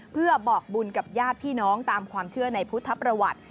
เพื่อบอกบุญกับญาติพี่น้องตามความเชื่อในพุทธประวัติ